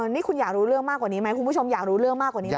นี่คุณอยากรู้เรื่องมากกว่านี้ไหมคุณผู้ชมอยากรู้เรื่องมากกว่านี้ไหม